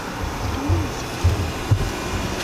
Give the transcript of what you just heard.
— Әллә нисек бит әле...